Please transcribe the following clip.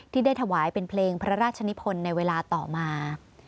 ที่ได้ถวายเป็นเพลงพระราชนิพลในเวลาต่อมา